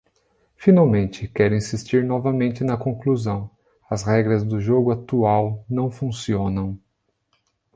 Finalmente, quero insistir novamente na conclusão: as regras do jogo atual não funcionam.